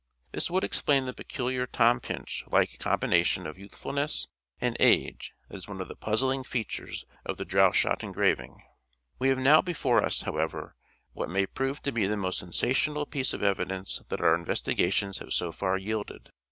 This would explain the peculiar Tom Pinch like combination of youthfulness and age that is one of the puzzling features of the Droeshout engraving. We have now before us, however, what may prove to be the most sensational piece of evidence that our investigations have so far yielded.